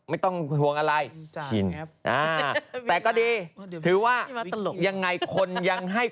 ไม่ต้องห่วงอะไรชินแต่ก็ดีถือว่ายังไงคนยังให้